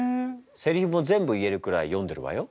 せりふも全部言えるくらい読んでるわよ。